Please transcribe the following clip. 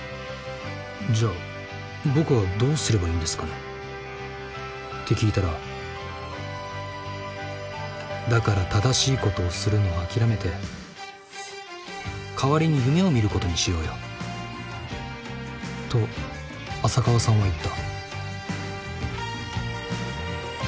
じゃあ僕はどうすればいいんですかねって聞いたらだから正しいことをするのは諦めて代わりに夢をみることにしようよと浅川さんは言った。